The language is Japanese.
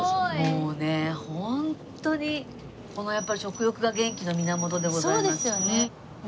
もうねホントにこの食欲が元気の源でございます。